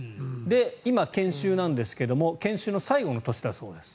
今、研修なんですけども研修の最後の年だそうです。